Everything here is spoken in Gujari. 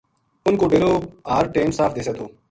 اُنھ کو ڈیرو ہر ٹیم صاف دِسے تھو